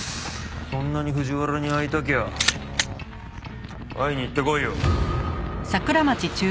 そんなに藤原に会いたきゃ会いに行ってこいよ。